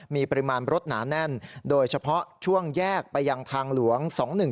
มีปริมาณรถหนาแน่นโดยเฉพาะช่วงแยกไปยังทางหลวง๒๑๒